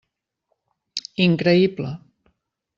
Increïble.